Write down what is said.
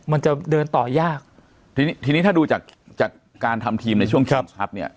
มันจะเดินต่อยากทีนี้ทีนี้ถ้าดูจากจากการทำทีมในช่วงเข็มชัดเนี่ย